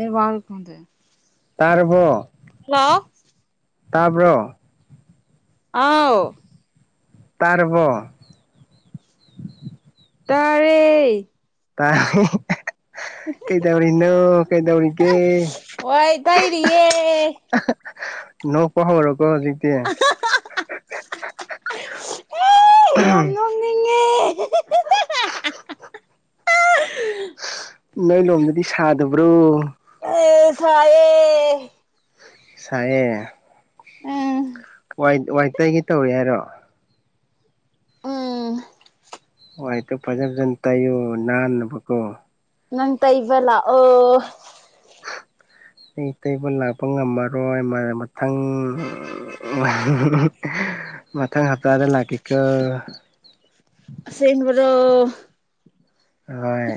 ꯑꯦ ꯋꯥꯔꯀꯗ ꯇꯥꯔꯕꯣ ꯍꯜꯂꯣ ꯇꯥꯕ꯭ꯔꯣ ꯑꯥꯎ ꯇꯔꯔꯕꯣ ꯇꯥꯔꯦ ꯇꯥꯏ ꯀꯩꯗꯧꯔꯤꯅꯣ ꯀꯩꯗꯧꯔꯤꯒꯦ ꯋꯥꯏ ꯇꯩꯔꯤꯌꯦ ꯅꯣꯡ ꯀꯍꯕꯔꯣ ꯀꯣ ꯍꯧꯖꯤꯛꯇꯛꯇ ꯎ ꯑ ꯅꯣꯏ ꯂꯣꯕꯗꯤ ꯁꯥꯗꯕ꯭ꯔꯣ ꯑꯦ ꯁꯑ ꯁꯌꯦ ꯎꯝ ꯋꯥꯏ ꯋꯥꯏꯇꯩꯒꯤ ꯇꯧꯔꯤ ꯍꯥꯏꯔꯣ ꯎꯝ ꯍ ꯍꯗꯣ ꯐꯖ ꯐꯖꯅ ꯇꯥꯏꯌꯨ ꯅꯥꯟꯅꯕꯀꯣ ꯅꯪ ꯇ ꯏꯕꯂ ꯑꯣ ꯑꯩ ꯇꯩꯕ ꯂꯥꯛꯄ ꯉꯝꯃꯔꯣꯏ ꯃꯊꯪ ꯃꯊꯪ ꯍꯞꯇꯥꯗ ꯂꯒꯈꯤꯈꯣ ꯑꯁꯦꯡꯕꯔꯣ [inaudible] ꯍꯣꯏ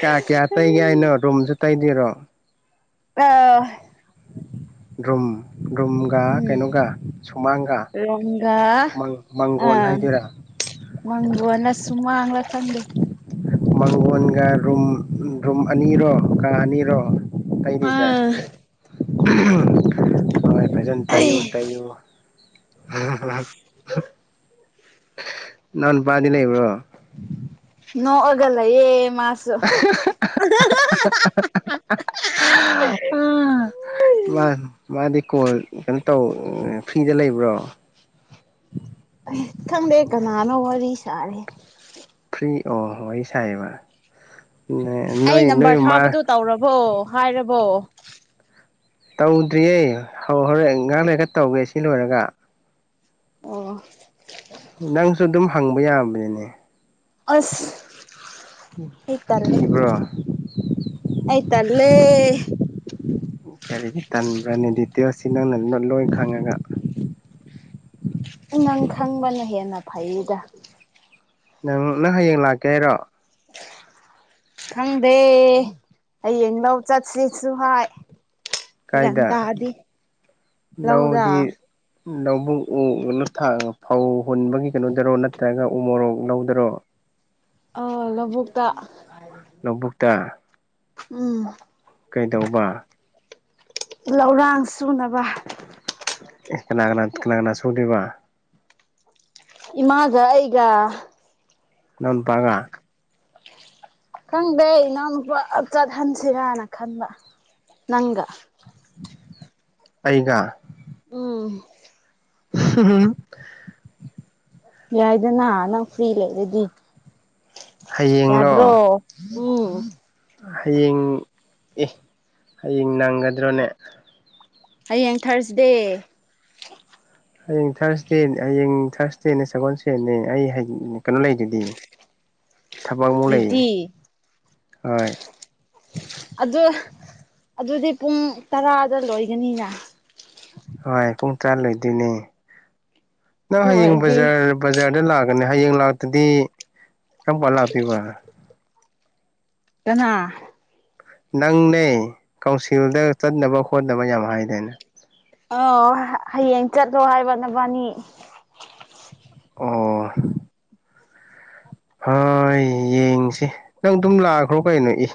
ꯀꯌꯥ ꯀꯌꯥ ꯇꯩꯒꯦ ꯍꯥꯏꯅꯣ ꯔꯨꯝꯁꯨ ꯇꯩꯗꯔꯣ ꯑꯥ ꯔ꯭ꯔꯣꯝ ꯔꯝꯒ ꯎꯝ ꯀꯩꯅꯣꯒ ꯁꯨꯃꯥꯡꯒ ꯔꯣꯡꯒ ꯃꯥꯡꯒꯣꯣꯟ ꯑꯥ ꯍꯥꯏꯗꯣꯏꯔꯥ ꯊꯝ ꯃꯪꯒꯣꯟꯒ ꯔꯨꯝ ꯔꯨꯝ ꯑꯅꯤꯔꯣ ꯀꯥ ꯑꯅꯤꯔꯣ ꯀꯩꯗꯁ ꯑꯥ ꯑ ꯐꯖꯟ ꯇꯨ ꯇ ꯅꯥꯟ ꯄꯗꯤ ꯂꯩꯕ꯭ꯔꯣ ꯅꯣꯛꯑꯒꯂꯌꯦ ꯃꯥꯁꯨ [unintelligible] ꯃꯥ ꯃꯥꯗꯤ [unintelligible] [unintelligible] ꯀꯣꯜ ꯀꯩꯅꯣ ꯇꯧ ꯐ꯭ꯔꯤꯗ ꯂꯩꯕ꯭ꯔꯣ ꯑꯩ ꯈꯪꯗꯦ ꯀꯅꯥꯅꯣ ꯋꯥꯔꯤ ꯁꯥꯔꯦ ꯐ꯭ꯔꯤ ꯑꯣ ꯑꯩ ꯁꯥꯏꯕ ꯑꯩ ꯅꯝꯕꯔ ꯊꯥꯕꯗꯨꯣ ꯇꯧꯔꯕꯣ ꯍꯥꯏꯔꯕꯣ ꯇꯧꯗ꯭ꯔꯤꯌꯦ ꯍꯣꯔꯛ ꯉꯥꯡ ꯂꯩꯔꯒ ꯇꯧꯒꯦ ꯁꯤ ꯂꯣꯏꯔꯒ ꯑꯣ ꯅꯪꯁꯨ ꯑꯗꯨꯝ ꯍꯪꯕ ꯌꯥꯕꯅꯤꯅꯦ ꯑꯁ ꯑꯩꯇꯜꯦ ꯀꯤꯕ꯭ꯔꯣ ꯑꯇꯂꯦ ꯀꯔꯤꯒꯤ ꯇꯟꯕ꯭ꯔꯅꯤ ꯗꯤꯇꯦꯜꯁꯁꯤ ꯅꯪꯅ ꯂꯣꯏ ꯈꯪꯉꯒ ꯅꯪ ꯈꯪꯕꯅ ꯍꯦꯟꯅ ꯐꯩꯗ ꯅꯪ ꯅꯪ ꯍꯌꯦꯡ ꯂꯥꯛꯀꯦ ꯍꯥꯏꯔꯣ ꯍꯪ ꯑꯦ ꯍꯌꯦꯡꯕꯧ ꯆꯠꯁꯤꯁꯨ ꯍꯥꯏ ꯒ꯭ꯌꯥꯟ ꯀꯥꯏꯗ ꯇꯥꯗꯦ ꯂꯧꯗꯤ ꯂꯧꯗ ꯂꯧꯕꯨꯛꯊꯥꯛ ꯐꯧ ꯍꯨꯟꯕꯒꯤ ꯀꯩꯅꯣꯗꯔꯣ ꯅꯠꯇ꯭ꯔꯒ ꯎ ꯃꯣꯔꯣꯛ ꯂꯧꯗꯔꯣ ꯑ ꯂꯧꯕꯨꯛꯇ ꯀꯨꯠꯇ ꯎꯝ ꯀꯩꯗꯧꯕ ꯂꯧꯔꯥꯡ ꯁꯨꯅꯕ ꯀꯦꯅꯥꯒꯅ ꯀꯅꯥꯒꯅꯅꯥ ꯁꯧꯗꯕ ꯃꯒꯥ ꯑꯩꯒ ꯉꯥ ꯅ ꯉꯄꯥꯒ ꯈꯪꯗꯦ ꯏꯅꯥꯎꯅꯨ ꯆꯠꯍꯟꯁꯤꯔꯅ ꯈꯟꯕ ꯅꯪꯒ ꯑꯩꯒ ꯎꯝ ꯎꯝ ꯌꯥꯏꯗꯅ ꯅꯪ ꯐ꯭ꯔꯤ ꯂꯩꯔꯗꯤ ꯍꯌꯦꯡꯂꯣ ꯌꯥꯗ꯭ꯔꯣ ꯎꯝ ꯍꯌꯦꯡ ꯑꯦ ꯍꯌꯦꯡ ꯅꯪꯒꯗ꯭ꯔꯣꯅꯦ ꯍꯌꯦꯡ ꯊꯥꯔꯁꯗꯦ ꯍꯌꯦꯡ ꯊꯥꯔꯁꯗꯦ ꯍꯌꯦꯡ ꯊꯥꯔꯁꯗꯦꯅꯦ ꯁꯒꯣꯜꯁꯦꯠꯅꯦ ꯑꯩ ꯀꯩꯅꯣ ꯂꯩꯗꯨꯗꯤ ꯊꯕꯛ ꯃ ꯂꯩꯌꯦ ꯗ꯭ꯌꯨꯇꯤ ꯍꯣꯏ ꯑꯗꯨ ꯑꯗꯨꯗꯤ ꯄꯨꯡ ꯇꯔꯥꯗ ꯂꯣꯏꯒꯅꯤꯅ ꯍꯣꯏ ꯄꯨꯡ ꯇꯔꯥ ꯂꯩꯗꯣꯏꯅꯦ ꯅꯪ ꯑꯗꯨ ꯍꯌꯦꯡ ꯑꯣꯏꯔꯗꯤ ꯕꯖꯥ ꯕꯖꯥꯔꯗ ꯂꯥꯛꯑꯒ ꯍꯌꯦꯡ ꯂꯥꯛꯇꯗꯤ ꯀꯔꯝ ꯄꯥꯟ ꯂꯥꯛꯄꯤꯣꯏꯕ ꯀꯅꯥ ꯅꯪꯅꯦ ꯀꯥꯎꯟꯁꯤꯜꯗ ꯆꯠꯅꯕ ꯈꯣꯠꯅꯕ ꯌꯥꯝ ꯍꯥꯏꯗꯅ ꯑ ꯍꯌꯦꯡ ꯆꯠꯂꯣ ꯍꯥꯏꯕ ꯅꯕꯥꯅꯤ ꯑꯣ ꯍꯣꯏ ꯌꯦꯡꯁꯤ ꯅꯪ ꯑꯗꯨꯝ ꯂꯥꯛꯈ꯭ꯔꯣ ꯀꯩꯅꯣ ꯏ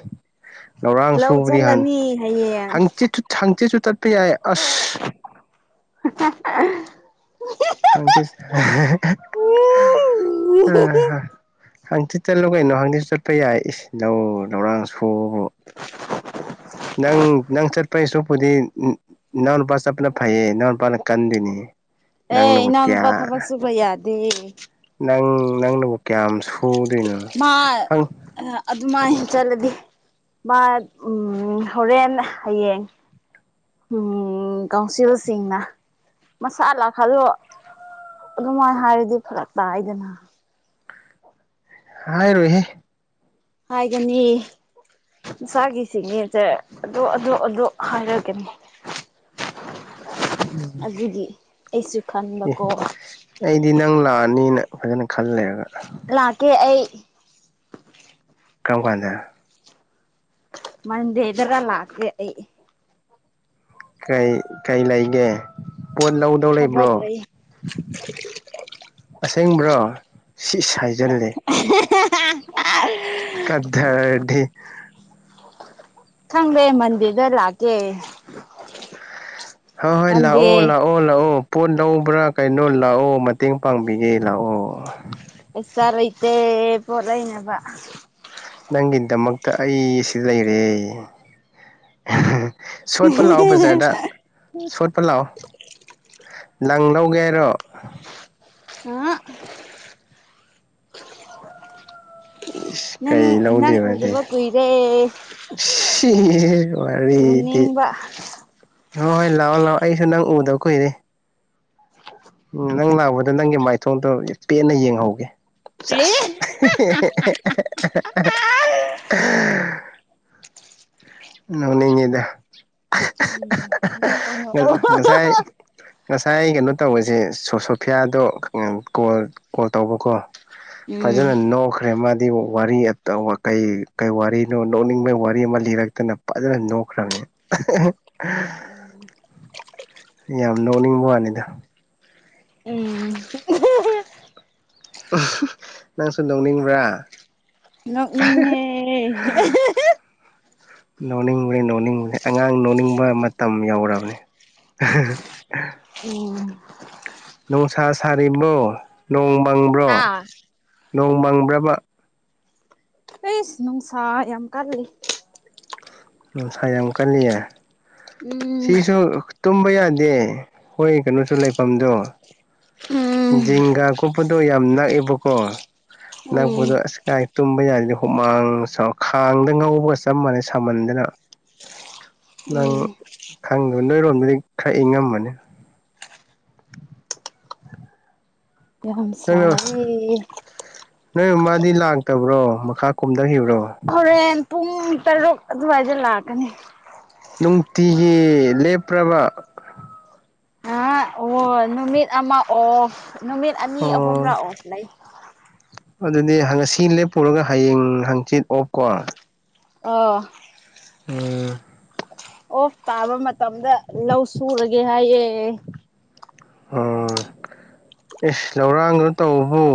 ꯂꯧꯔꯥꯡ ꯂꯧ ꯁꯨꯕꯅꯤꯍꯥꯟ ꯆꯠꯂꯅꯤ ꯍꯌꯦꯡ ꯍꯥꯡꯆꯤꯠ ꯍꯥꯡꯆꯦꯠꯨ ꯆꯥꯠ ꯌꯥꯏ ꯑꯁꯤ [unintelligible] ꯈꯪꯗꯦ [unintelligible] ꯑ ꯍꯪꯆꯤꯠ ꯆꯠꯂ ꯀꯩꯅꯣ ꯍꯪꯗꯤꯁꯨ ꯆꯠꯄ ꯌꯥꯏ ꯏꯁ ꯂꯧ ꯂꯧꯔꯥꯡ ꯁꯨꯕꯕꯨ ꯅꯪ ꯅꯪ ꯆꯠꯄꯩ ꯁꯔꯨꯛꯄꯨꯗꯤ ꯅꯅꯥꯎ ꯅꯨꯄꯥ ꯆꯠꯄꯅ ꯐꯩꯌꯦ ꯅꯅꯥꯎ ꯅꯨꯄꯥꯅ ꯀꯟꯗꯣꯏꯅꯤ ꯑꯦ ꯅꯪꯅꯕꯨ ꯏꯅꯥꯎ ꯀꯌꯥ ꯅꯨꯄꯥ ꯊꯕꯛꯁꯨꯕ ꯌꯥ ꯗꯦ ꯅꯪ ꯅꯪꯅꯕꯨ ꯀꯌꯥꯝ ꯁꯨꯗꯣꯏꯅꯣ ꯍꯪ ꯃꯥꯏ ꯆꯠꯂꯗꯤ ꯃꯥ ꯎꯝ ꯍꯣꯔꯦꯟ ꯍꯌꯦꯡ ꯎꯝ ꯀꯥꯎꯟꯁꯤꯜꯁꯤꯡꯅ ꯃꯁꯥ ꯂꯥꯛꯈꯗꯣ ꯑꯗꯨꯃꯥꯏꯅ ꯍꯥꯏꯔꯗꯤ ꯐꯔꯛ ꯇꯥꯏꯗꯅ ꯍꯥꯏ ꯏꯔ ꯍꯥꯏꯒꯅꯤ ꯃꯁꯥꯒꯤꯁꯤꯅꯦꯁꯦ ꯑꯗꯨ ꯑꯗꯨ ꯑꯗꯨ ꯍꯥꯏꯔꯒꯅꯤ ꯑꯗꯨꯗꯤ ꯑꯩꯁꯨ ꯈꯟꯕꯀꯣ ꯈꯤꯇꯪ ꯂꯥꯛꯑꯅꯤꯅ ꯐꯖꯅ ꯈꯜꯂꯔꯒ ꯂꯥꯛꯀꯦ [unintelligible] ꯀꯥꯎꯒꯥꯟꯗ ꯃꯗꯦ ꯌꯦꯗꯔꯂꯦ ꯀꯩ ꯀꯩ ꯂꯩꯒꯦ ꯄꯣꯠ ꯂꯧꯗꯧ ꯊꯕꯛ ꯂꯩꯕ꯭ꯔꯣ ꯂꯩ ꯑꯁꯦꯡꯕ꯭ꯔꯣ ꯁꯤꯁ ꯍꯥꯏꯖꯜꯂꯦ [unintelligible] [unintelligible] ꯀꯗꯔꯗꯤ ꯈꯪꯗꯦ ꯃꯟꯗꯦꯗ ꯂꯥꯛꯀꯦ ꯍꯣꯏ ꯍꯣꯏ ꯃꯟꯗꯦ ꯂꯥꯛꯑꯣ ꯂꯥꯛꯑꯣ ꯂꯥꯛꯑꯣ ꯄꯣꯠ ꯂꯧꯕ꯭ꯔꯥ ꯀꯩꯅꯣ ꯂꯥꯛꯑꯣ ꯃꯇꯦꯡ ꯄꯥꯡꯕꯤꯒꯦ ꯂꯥꯛꯑꯣ ꯄꯩꯁꯥ ꯂꯩꯇꯦ ꯄꯣꯠ ꯂꯩꯅꯕ ꯅꯪꯒꯤꯗꯃꯛꯇ ꯑꯩ ꯁꯤꯗ ꯂꯩꯔꯦ ꯁꯣꯠꯄ ꯂꯥꯛꯑꯣ ꯕꯖꯥꯔꯗ ꯁꯣꯠꯄ ꯂꯥꯛꯑꯣ ꯂꯪ ꯂꯧ ꯒꯦ ꯍꯥꯏꯔꯣ ꯑ ꯏꯁ ꯅꯪ ꯀꯩ ꯅꯪ ꯂꯧꯗꯣꯏꯕ ꯑꯗꯤ ꯎꯗꯥꯕ ꯀꯨꯏꯔꯦ [unintelligible] ꯋꯥꯔꯤꯗꯤ ꯎꯅꯤꯡꯕ ꯍꯣꯏ ꯍꯣꯏ ꯂꯥꯛꯑꯣ ꯂꯥꯛꯑꯣ ꯑꯩꯁꯨ ꯅꯪ ꯎꯗꯥ ꯀꯨꯏꯔꯦ ꯎꯝ ꯅꯪ ꯂꯥꯛꯕꯗ ꯅꯪꯒꯤ ꯃꯥꯏꯊꯣꯡꯗꯣ ꯄꯦꯟꯅ ꯌꯦꯡꯍꯧꯒꯦ ꯆꯁ ꯏ ꯌꯥ ꯎꯝ ꯎꯝ ꯉꯁꯥꯏ ꯉꯁꯥꯏ ꯀꯩꯅꯣ ꯇꯧꯕꯁꯦ ꯁꯣꯁꯣꯐꯤꯌꯥꯗꯣ ꯀꯣꯜ ꯀꯣꯜ ꯇꯧꯕꯀꯣ ꯐꯖꯅ ꯅꯣꯛꯈ꯭ꯔꯦ ꯃꯥꯗꯤ ꯋꯥꯔꯤ ꯀꯩ ꯀꯩ ꯋꯥꯔꯤꯅꯣ ꯅꯣꯛꯅꯤꯡꯕ ꯋꯥꯔꯤ ꯑꯃ ꯂꯤꯔꯛ ꯛꯇꯅ ꯐꯖꯅ ꯅꯣꯛꯈ꯭ꯔꯕꯅꯤ ꯌꯥꯝ ꯅꯣꯛꯅꯤꯡꯕ ꯋꯥꯅꯤꯗ ꯎꯝ ꯅꯪꯁꯨ ꯅꯣꯛꯅꯤꯡꯕ꯭ꯔꯥ ꯅꯣꯛꯅꯤꯉꯦ ꯅꯣꯛꯅꯤꯡꯕꯅꯤ ꯅꯣꯛꯅꯤꯡꯕꯅꯤ ꯑꯉꯥꯡ ꯅꯣꯛꯅꯤꯡꯕ ꯃꯇꯝ ꯌꯧꯔꯕꯅꯤ ꯎꯝ ꯅꯨꯡꯁꯥ ꯁꯔꯤꯕ꯭ꯔꯣ ꯅꯣꯡꯃꯪꯕ꯭ꯔꯣ ꯍꯥꯥ ꯅꯣꯡꯃꯪꯕ꯭ꯔꯕ ꯏꯁ ꯅꯨꯡꯁꯥ ꯌꯥꯝ ꯀꯜꯂꯤ ꯅꯨꯡꯁꯥ ꯌꯥꯝ ꯀꯜꯂꯤꯌꯦ ꯎꯝ ꯁꯤꯁꯨ ꯇꯨꯝꯕ ꯌꯥꯗꯦ ꯍꯣꯏ ꯀꯩꯅꯣꯁꯨ ꯂꯩꯐꯝꯗꯣ ꯎꯝ ꯖꯤꯡꯒꯥ ꯀꯨꯞꯄꯗꯣ ꯌꯥꯝ ꯅꯛꯑꯦꯕꯀꯣ ꯅꯛꯄꯗꯣ ꯎꯝ ꯑꯁ ꯀꯥꯏ ꯇꯨꯝꯕ ꯌꯥꯗꯦꯗ ꯍꯨꯃꯥꯡ ꯁ ꯈꯥꯡꯗ ꯉꯧꯕꯒ ꯆꯞ ꯃꯥꯟꯅꯩ ꯁꯥꯃꯟ ꯑꯗꯨꯅ ꯅꯪ ꯎꯝ ꯈꯪꯗꯕ ꯅꯣꯏꯔꯣꯟꯕꯗꯤ ꯈꯔ ꯏꯉꯝꯃꯅꯤ ꯌꯥꯝ ꯅꯪꯅ ꯁꯥꯏ ꯅꯣꯏ ꯃꯥꯗꯤ ꯂꯥꯛꯇꯕ꯭ꯔꯣ ꯃꯈꯥ ꯀꯨꯝꯊꯈꯤꯕ꯭ꯔꯣ ꯍꯣꯔꯦꯟ ꯄꯨꯡ ꯇꯔꯨꯛ ꯑꯗꯨꯋꯥꯏꯗ ꯂꯥꯛꯀꯅꯤ ꯅꯨꯡꯇꯤꯒꯤ ꯂꯦꯞꯄ꯭ꯔꯕ ꯑꯣ ꯅꯨꯃꯤꯠ ꯑꯃ ꯑꯣꯐ ꯅꯨꯃꯤꯠ ꯑꯅꯤ ꯑꯣ ꯑꯍꯨꯝꯔꯛ ꯑꯣꯞ ꯂꯩ ꯑꯗꯨꯗꯤ ꯉꯁꯤ ꯂꯦꯞꯄꯨꯔꯒ ꯍꯌꯦꯡ ꯍꯪꯆꯤꯠ ꯑꯣꯞꯀꯣ ꯑꯣ ꯎꯝ ꯑꯣꯐ ꯇꯥꯕ ꯃꯇꯝꯗ ꯂꯧ ꯁꯨꯔꯒꯦ ꯍꯥꯏꯌꯦ ꯑꯣ ꯑꯦꯁ ꯂꯧꯔꯥꯡꯒꯅꯣ ꯇꯧꯕꯕꯨ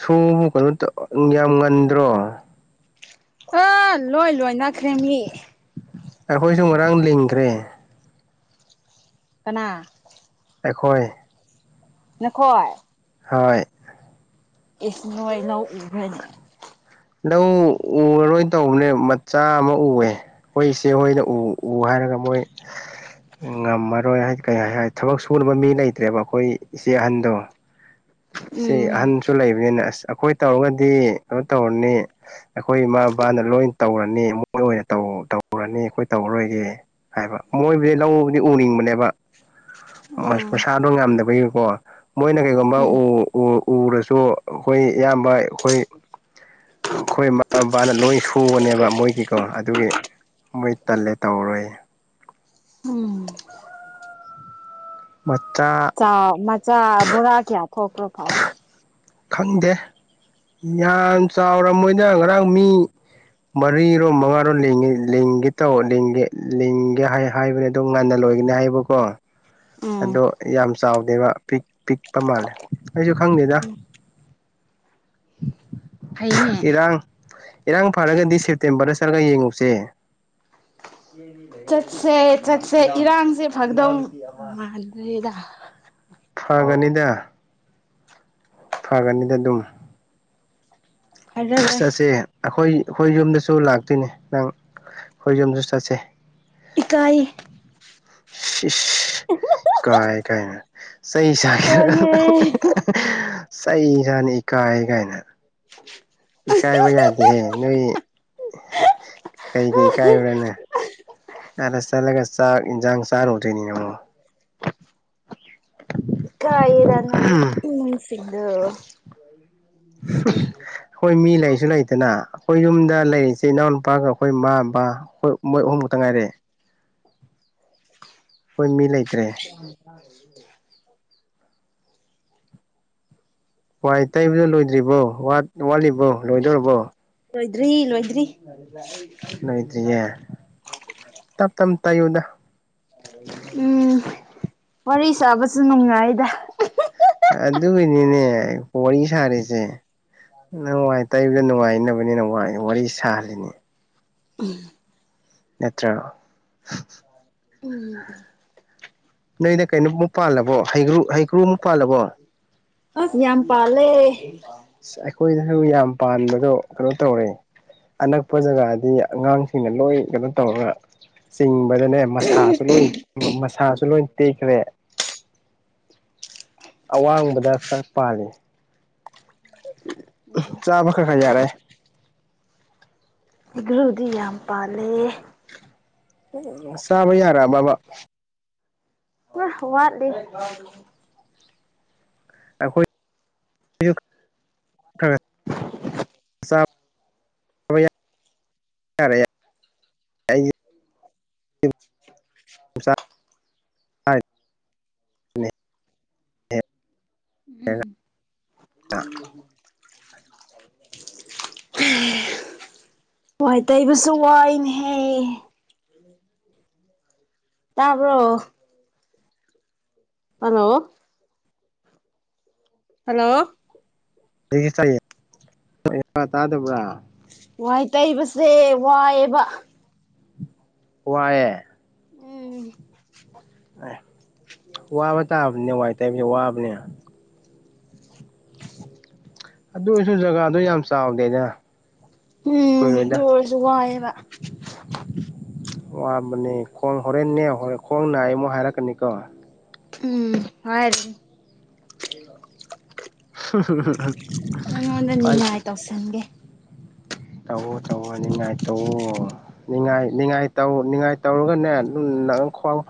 ꯁꯨꯕꯨ ꯀꯩꯅꯣ ꯌꯥꯝ ꯉꯟꯗ꯭ꯔꯣ ꯑ ꯂꯣꯏ ꯂꯣꯏ ꯅꯅꯥꯈ꯭ꯔꯦ ꯃꯤ ꯑꯩꯈꯣꯏꯁꯨ ꯉꯔꯥꯡ ꯂꯤꯡꯈ꯭ꯔꯦ ꯀꯅꯥ ꯑꯩꯈꯣꯏ ꯅꯈꯣꯏ ꯍꯣꯏ ꯏꯁ ꯅꯣꯏ ꯂꯧ ꯏꯚꯥꯏꯅꯦ [inaudible] [unintelligible] ꯂꯧ ꯎꯔꯔꯣꯏꯅ ꯇꯧꯕꯅꯦ ꯃꯆꯥ ꯑꯃ ꯎꯑꯦ ꯑꯩꯈꯣꯏ ꯏꯆꯦ ꯍꯣꯏꯅ ꯎ ꯎ ꯍꯥꯏꯔꯒ ꯃꯣꯏ ꯉꯝꯃꯔꯣꯏ ꯍꯥꯏꯗꯤ ꯀꯩ ꯍꯥꯏ ꯊꯕꯛ ꯁꯨꯅꯕ ꯃꯤ ꯂꯩꯇ꯭ꯔꯦꯕ ꯑꯩꯈꯣꯏ ꯏꯆꯦ ꯑꯍꯟꯗꯣ ꯏꯆꯦ ꯎꯝ ꯑꯍꯟ ꯁꯨ ꯂꯩꯕꯅꯤꯅ ꯑꯁ ꯑꯩꯈꯣꯏ ꯇꯧꯔꯒ ꯗꯤ ꯀꯩꯅꯣ ꯇꯧꯔꯅꯤ ꯑꯩꯈꯣꯏ ꯏꯃꯥ ꯕꯥꯅ ꯂꯣꯏ ꯇꯧꯔꯅꯤ ꯃꯣꯏ ꯑꯣꯏꯅ ꯇꯧꯔꯅꯤ ꯑꯩꯈꯣꯏ ꯇꯧꯔꯔꯣꯏꯒꯦ ꯍꯥꯏꯕ ꯃꯣꯏꯕꯨꯗꯤ ꯂꯧꯕꯨꯗꯤ ꯎꯅꯤꯡꯕꯅꯦꯕ ꯎꯝ ꯃꯁꯥꯗꯣ ꯉꯝꯗꯕꯒꯤꯀꯣ ꯃꯣꯏꯅ ꯀꯩꯒꯨꯝꯕ ꯎꯝ ꯎ ꯎ ꯎꯔꯁꯨ ꯑꯩꯈꯣꯏ ꯏꯌꯥꯝꯕ ꯑꯩꯈꯣꯏ ꯑꯩꯈꯣꯏ ꯃꯃꯥ ꯃꯄꯥꯅ ꯂꯣꯏ ꯁꯨꯕꯅꯦꯕ ꯃꯣꯏꯒꯤꯀꯣ ꯑꯗꯨꯒꯤ ꯃꯣꯏ ꯇꯜꯂꯦ ꯇꯧꯔꯔꯣꯏ ꯎꯝ ꯃ ꯆ ꯃ ꯆꯆꯥ ꯕꯨꯔꯥ ꯀꯌꯥ ꯈꯣꯈ꯭ꯔꯣ ꯊꯥꯎꯑꯣ ꯈꯪꯗꯦ ꯌꯥꯝ ꯆꯥꯎꯔ ꯃꯣꯏꯅ ꯉꯔꯥꯡ ꯃꯤ ꯃꯔꯤꯔꯣꯝ ꯃꯉꯥꯔꯣꯝ ꯂꯤꯡꯒꯦ ꯇꯧꯒꯦ ꯍꯥꯏꯕꯅꯦ ꯑꯣ ꯉꯟꯅ ꯂꯣꯏꯒꯅꯤ ꯍꯥꯏꯕꯀꯣ ꯎꯝ ꯑꯗꯣ ꯌꯥꯝ ꯆꯥꯎꯋ ꯗꯩꯕ ꯄꯤꯛ ꯄꯤꯛꯄ ꯃꯥꯜꯂꯦ ꯑꯩꯁꯨ ꯈꯪꯗꯦꯗ ꯑꯏꯅꯦ ꯏꯔꯥꯡ ꯏꯔꯥꯡ ꯐꯔꯒꯗꯤ ꯁꯦꯞꯇꯦꯝꯕꯔꯗ ꯆꯠꯂꯒ ꯌꯦꯡꯉꯨꯁꯦ ꯆꯠꯁꯦ ꯆꯠꯁꯦ ꯏꯔꯥꯡꯁꯦ ꯐꯛꯗꯧꯗꯦꯗ ꯐꯒꯅꯤꯗ ꯐꯒꯅꯤꯗ ꯑꯗꯨꯝ ꯐꯔꯔꯣꯏ ꯄꯁꯦ ꯑꯩꯈꯣꯏ ꯑꯩꯈꯣꯏ ꯌꯨꯝꯗꯁꯨ ꯂꯥꯛꯇꯣꯏꯅꯦ ꯅꯪ ꯑꯩꯈꯣꯏ ꯌꯨꯝꯗꯁꯨ ꯆꯠꯁꯦ ꯏꯀꯥꯏ ꯏꯁ ꯀꯥꯏ ꯀꯥꯏꯅ ꯆꯍꯤ ꯁꯥꯈꯤꯗ ꯏꯀꯥꯏꯌꯦ ꯁ ꯏꯁꯥꯅ ꯏꯀꯥꯏ ꯀꯥꯏꯅ [inaudible] ꯏꯀꯥꯏꯕ ꯌꯥꯗꯦꯍꯦ ꯅꯣꯏ ꯀꯩ ꯀꯩ ꯀꯥꯏꯔꯨꯔꯅꯦ ꯑꯗ ꯆꯠꯂꯒ ꯆꯥꯛ ꯏꯟꯖꯥꯡ ꯆꯔꯨ ꯊꯅꯤ ꯀꯥꯏꯦꯗꯅ ꯑꯩꯈꯣꯏ ꯁꯤꯗꯣ ꯀꯩꯨ ꯂꯩꯇꯅ ꯑꯩꯈꯣꯏ ꯌꯨꯝꯗ ꯂꯩꯔꯤꯁꯦ ꯏꯅꯥꯎꯅꯨꯄꯥꯒ ꯑꯩꯈꯣꯏ ꯏꯃꯥ ꯃꯄꯥ ꯑꯩꯈꯣꯏ ꯃꯣꯏ ꯑꯍꯨꯝꯃꯨꯛꯇ ꯉꯥꯏꯔꯦꯑꯦ ꯍꯣꯏ ꯃꯤ ꯂꯩꯇ꯭ꯔꯦ ꯑ ꯋꯥꯏ ꯇꯩꯕꯗꯨꯣ ꯂꯣꯏꯗ꯭ꯔꯤꯕꯣ ꯋꯥꯠꯂꯤꯕꯣ ꯂꯣꯏꯗꯣꯔꯤꯕꯣ ꯂꯣꯏꯗ꯭ꯔꯤ ꯂꯣꯏꯗ꯭ꯔꯤ ꯂꯣꯏꯗ꯭ꯔꯤꯌꯦ ꯇꯞ ꯇꯞ ꯇꯥꯏꯌꯨꯗ [unintelligible] [inaudible] ꯎꯝ ꯋꯥꯔꯤ ꯁꯥꯕꯁꯨ ꯅꯨꯡꯉꯥꯏꯗ ꯑꯗꯨꯏꯅꯤꯅꯦ ꯋꯥꯔꯤ ꯁꯥꯔꯤꯁꯦ ꯅ ꯍꯥꯏꯥꯏ ꯇ ꯏ ꯅꯨꯡꯉꯥꯏꯅꯕꯅꯤꯅ ꯋꯥꯏ ꯋꯥꯔꯤ ꯁꯥꯍꯜꯂꯤꯅꯦ ꯎꯝ ꯅꯠꯇ꯭ꯔ ꯎꯝ ꯅꯣꯏꯗ ꯀꯩꯅꯣꯃꯨꯛ ꯄꯥꯜꯂꯕꯣ ꯍꯩꯒ꯭ꯔꯨ ꯍꯩ ꯀ꯭ꯔꯨꯃ ꯄꯥꯜꯂꯕꯣ ꯑꯁ ꯌꯥꯝ ꯄꯥꯂꯦ [unintelligible] ꯍꯣꯌ ꯍꯨꯏ ꯌꯥꯝ ꯄꯥꯟꯕꯗ ꯀꯩꯅꯣ ꯇꯧꯔꯦ ꯑꯅꯛꯄ ꯖꯒꯥꯗꯤ ꯑꯉꯥꯡ ꯁꯤꯅ ꯂꯣꯏ ꯀꯩꯅꯣ ꯇꯧꯔꯒ ꯆꯤꯡ [unintelligible] ꯃꯁꯥꯁꯨ ꯂꯣꯏ ꯃꯁꯥꯁꯨ ꯂꯣꯏ ꯇꯦꯛꯈ꯭ꯔꯦ ꯑꯋꯥꯡꯕꯗ ꯈꯔ ꯄꯥꯜꯂꯤ ꯆꯥꯕꯥ ꯈꯛ ꯈꯔ ꯌꯥꯔꯛ ꯑ ꯍꯪꯒ꯭ꯔꯨꯗꯤ ꯌꯥꯝ ꯄꯥꯜꯂꯦ ꯆꯥꯕ ꯌꯥꯔꯛ ꯑꯕꯥ ꯍ ꯋꯥꯠꯂꯤ ꯑꯩꯈꯣꯏ [unintelligible] [unintelligible] ꯑꯠ ꯎꯝ ꯑ ꯋꯥꯏ ꯇꯩꯕꯁꯨ ꯋꯥꯏꯅꯦꯍꯦ ꯇꯥꯕ꯭ꯔꯣ ꯍꯜꯂꯣ ꯍꯜꯂꯣ ꯀꯩ ꯑꯦꯅ ꯆꯥꯒꯦ [unintelligible] ꯇꯥꯗꯕ꯭ꯔ ꯋꯥꯏ ꯇꯩꯕꯁꯦ ꯋꯥꯏꯑꯕ ꯋꯥꯌꯦ ꯎꯝ ꯑꯦ ꯋꯥꯕ ꯇꯥꯕꯅꯦ ꯋꯥꯏ ꯇꯥꯏꯕꯁꯤ ꯋꯥꯕꯅꯦ ꯑꯗꯨ ꯑꯣꯏꯔꯁꯨ ꯖꯒꯥꯗꯨ ꯌꯥꯝ ꯆꯥꯎꯗꯦꯅꯥ ꯎꯝ ꯑꯗꯨ ꯑꯣꯏꯔꯁꯨ ꯋꯥꯏꯑꯦꯕ ꯋꯥꯕꯅꯦ ꯈꯣꯡ ꯍꯣꯔꯦꯟꯅꯦ ꯈꯣꯡꯅ ꯑꯩꯉꯛ ꯍꯥꯏꯔꯛꯀꯅꯤꯀꯣ ꯎꯝ ꯍꯥꯏꯔꯥꯅꯤ ꯐꯥꯏ ꯅꯤꯡꯉꯥꯏ ꯇꯧꯁꯟꯒꯦ ꯇꯧꯑꯣ ꯇꯧꯑꯩ ꯅꯤꯅꯥꯏ ꯇꯣꯑꯣ ꯉꯥꯏ ꯉꯥꯏ ꯇꯧ ꯉꯥꯏ ꯇꯧꯔꯒꯅꯦ ꯅ ꯈ꯭ꯋꯥꯡ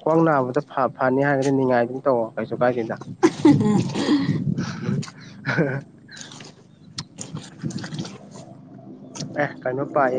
ꯈ꯭ꯋꯥꯡ ꯅꯥꯕꯗ ꯐꯅꯤ ꯍꯥꯏꯔꯒꯗꯤ ꯅꯤꯡꯉꯥꯏꯗꯨꯝ ꯇꯧꯑꯣ ꯀꯩꯁꯨ ꯀꯥꯁꯨꯀꯥꯏꯗꯦꯅꯥ [unintelligible] [inaudible] ꯑ ꯀꯩꯅꯣ ꯄꯥꯏ